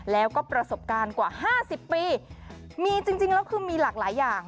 แล้วก็ประสบการณ์กว่า๕๐ปีมีจริงแล้วคือมีหลากหลายอย่าง